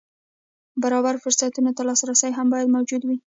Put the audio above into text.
برابر فرصتونو ته لاسرسی هم باید موجود وي.